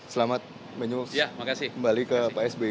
selamat menyusul kembali ke pak sby